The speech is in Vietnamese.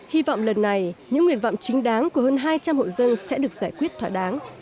hy vọng lần này những nguyện vọng chính đáng của hơn hai trăm linh hộ dân sẽ được giải quyết thỏa đáng